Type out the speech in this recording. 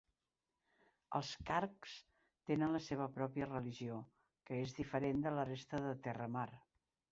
Els Kargs tenen la seva pròpia religió, que és diferent de la resta de Terramar.